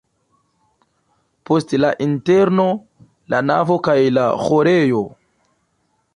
Poste la interno, la navo kaj la ĥorejo.